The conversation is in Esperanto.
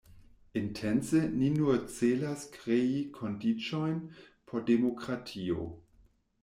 Intence ni nur celas krei kondiĉojn por demokratio.